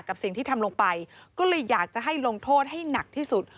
กับสิ่งที่ทำลงไปก็เลยอยากจะให้ลงโทษให้หนักที่สุด